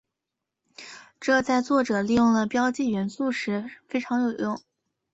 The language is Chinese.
这在作者利用了标记元素时非常有用。